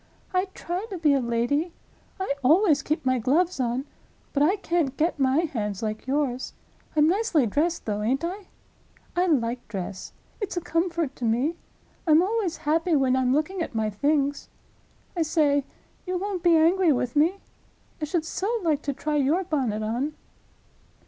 I try to be a lady; I always keep my gloves on—but I can't get my hands like yours. I'm nicely dressed, though, ain't I? I like dress; it's a comfort to me. I'm always happy when I'm looking at my things. I say—you won't be angry with me?—I should so like to try your bonnet on."